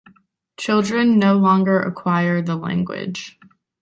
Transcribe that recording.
Children no longer acquire the language.